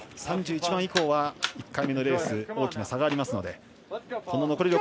３１番以降は１回目のレース大きな差があります。